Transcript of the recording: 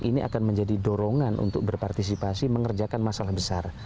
ini akan menjadi dorongan untuk berpartisipasi mengerjakan masalah besar